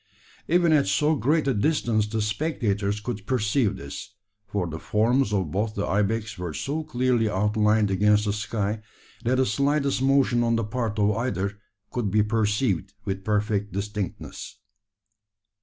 Even at so great a distance the spectators could perceive this: for the forms of both the ibex were so clearly outlined against the sky, that the slightest motion on the part of either could be perceived with perfect distinctness.